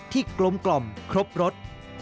ที่กลมครบรส